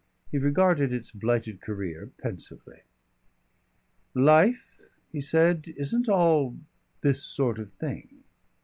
He regarded its blighted career pensively. "Life," he said, "isn't all this sort of thing."